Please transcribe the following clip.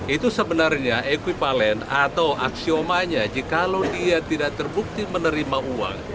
itu sebenarnya ekvivalen atau aksiomanya jika dia tidak terbukti menerima uang